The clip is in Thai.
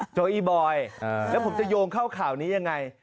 โจอีบอยแล้วผมจะโยงเข้าข่าวนี้ยังไง